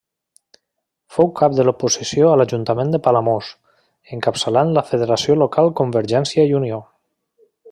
Fou cap de l'oposició a l'ajuntament de Palamós, encapçalant la federació local Convergència i Unió.